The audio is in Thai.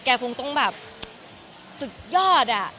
แม่เราคงต้องแบบศึกยอด